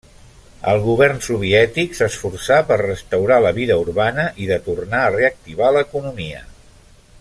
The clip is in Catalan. El govern soviètic s'esforçà per restaurar la vida urbana i de tornar a reactivar l'economia.